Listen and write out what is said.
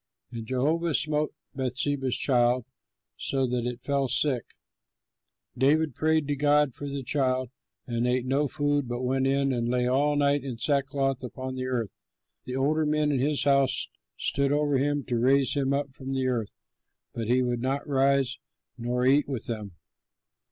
And Jehovah smote Bathsheba's child so that it fell sick. David prayed to God for the child, and ate no food but went in and lay all night in sackcloth upon the earth. The older men in his house stood over him to raise him up from the earth; but he would not rise nor eat with them.